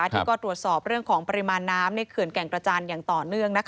ที่ก็ตรวจสอบเรื่องของปริมาณน้ำในเขื่อนแก่งกระจานอย่างต่อเนื่อง